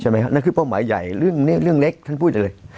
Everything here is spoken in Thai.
ใช่ไหมครับนั่นคือเป้าหมายใหญ่เรื่องนี้เรื่องเล็กท่านพูดจังเลย